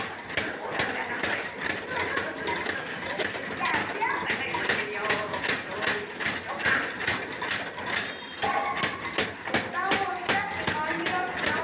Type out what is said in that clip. ボタンをおしたってかんじがしない。